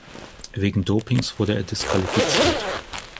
Wegen Dopings wurde er disqualifiziert.